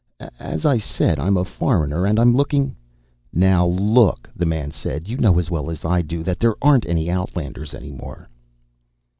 "As I said, I'm a foreigner, and I'm looking " "Now look," the man said, "you know as well as I do that there aren't any outlanders any more."